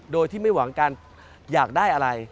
โดยที่ไม่หวังการอยากได้อะไร